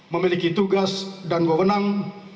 memiliki tugas dan wawenang